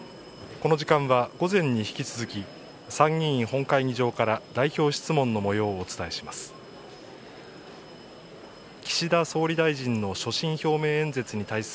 この時間は午前に引き続き、参議院本会議場から代表質問のもようをお伝えします。